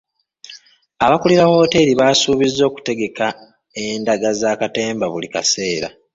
Abakulira wooteeri baasubiza okutegekanga endaga za katemba buli kaseera.